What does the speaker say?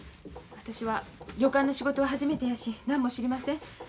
私は旅館の仕事は初めてやし何も知りません。